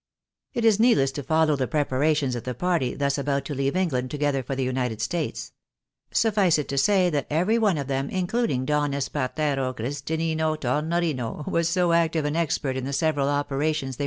It is needless to follow the preparations of the party thus about to leave England together for the United States ; suffice it to say, that every one of them, including Don Espartero Christinino Tornorino, was so active and pjcuert ia the several operations they ABtSUMPTlON OF A NEW STYLE AND TITLE.